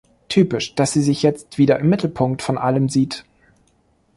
Typisch, dass sie sich jetzt wieder im Mittelpunkt von allem sieht!